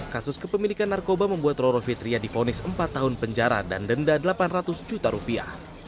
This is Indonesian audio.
kasus kepemilikan narkoba membuat roro fitria difonis empat tahun penjara dan denda delapan ratus juta rupiah